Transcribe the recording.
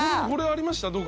これありました？